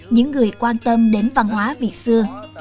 những người quan tâm đến văn hóa việt xưa